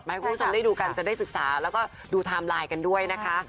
ให้คุณผู้ชมได้ดูกันจะได้ศึกษาแล้วก็ดูไทม์ไลน์กันด้วยนะคะ